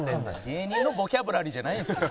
芸人のボキャブラリーじゃないですよ。